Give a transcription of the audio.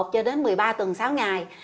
cho đến một mươi ba tuần sáu ngày